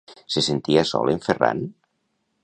Se sentia sol en Ferràn?